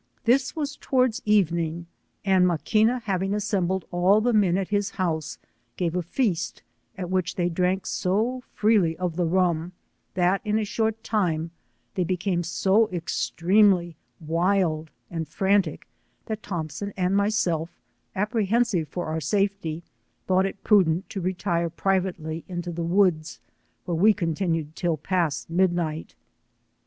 This was towards evening, and Maquina having assembled ail the men at his house, gave a feast, at which they drank sO freely of the rum, that in a short time, they became so extremely wild and frantic, that Thompson and myself, apprehensive for our safety, thought it prudent to retire frivately into the woods, where we continued till past midnight.